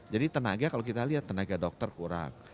jadi tenaga kalau kita lihat tenaga dokter kurang